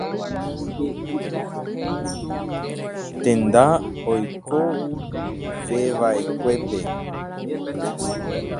Tenda oikoveva'ekuépe.